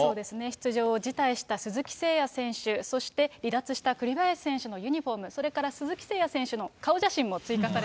出場を辞退した鈴木誠也選手、そして離脱した栗林選手のユニホーム、それから鈴木誠也選手の顔写